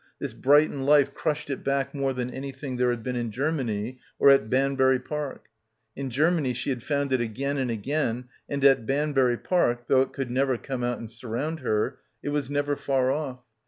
This Brighton life crushed it back more than anything there had been in Germany or at Banbury Park. In Germany she had found it again and again, and at Banbury Park, though it could never come out and surround her, it was never far off.